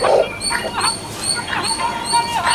طبي پوهنځۍ بې بودیجې نه تمویلیږي.